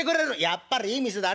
やっぱりいい店だ